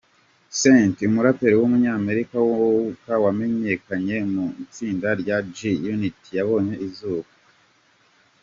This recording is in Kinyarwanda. Cent, umuraperi w’umunyamerika wamenyekanye mu itsinda rya G-Unit yabonye izuba.